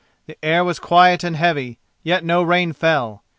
The air was quiet and heavy, yet no rain fell.